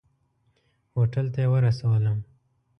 هوټل ته یې ورسولم.